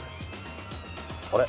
あれ？